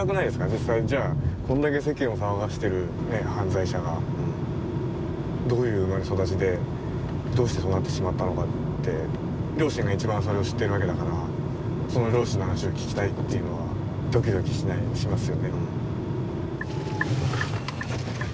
実際じゃあこんだけ世間を騒がしてる犯罪者がどういう生まれ育ちでどうしてそうなってしまったのかって両親が一番それを知ってるわけだからその両親の話を聞きたいっていうのはドキドキしますよね。